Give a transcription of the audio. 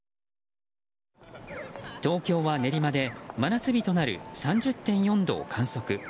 東京は練馬で真夏日となる３０．４度を観測。